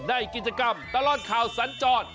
ในกิจกรรมตลอดข่าวสัญจร